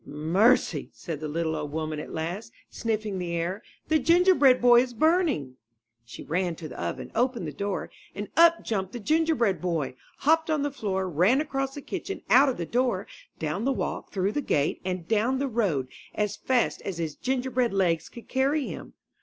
''Mercy!'' said the little old woman at last, sniffing the air, ''the Gingerbread Boy is burning." She ran to the oven, opened the door, and up jumped the Gingerbread Boy, hopped on the floor, ran across the kitchen, out of the door, down the walk, through the gate and down the road as fast as his gingerbread legs could carry him!